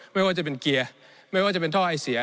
ไม่ว่าจะเป็นเกียร์ไม่ว่าจะเป็นท่อไอเสีย